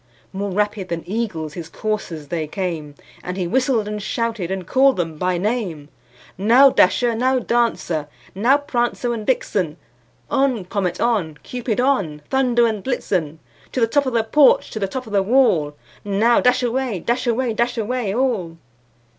More rapid than eagles his coursers they came, And he whistled, and shouted, and called them by name; "Now, Dasher! now, Dancer! now, Prancer and Vixen! On! Comet, on! Cupid, on! Dunder and Blitzen To the top of the porch, to the top of the wall! Now, dash away, dash away, dash away all!"